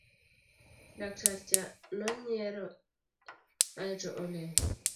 laktar cha nonyiero aeto oling'